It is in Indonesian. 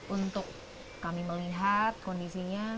untuk kami melihat kondisinya